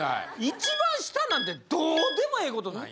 一番下なんてどうでもええことない？